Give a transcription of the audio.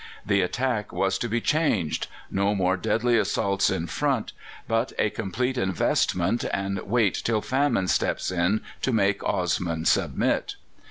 The attack was to be changed. No more deadly assaults in front, but a complete investment, and wait till famine steps in to make Osman submit.